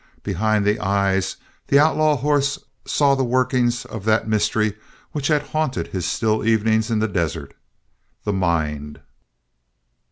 Behind the eyes the outlaw horse saw the workings of that mystery which had haunted his still evenings in the desert the mind.